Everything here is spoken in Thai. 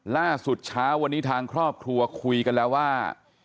ล่าสุดเช้าวันนี้ทางครอบครัวคุยกันแล้วว่า